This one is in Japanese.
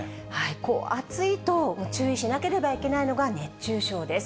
こう暑いと注意しなければいけないのが熱中症です。